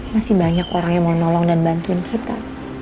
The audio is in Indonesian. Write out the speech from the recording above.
masih banyak orang yang mau nolong dan bantuin kita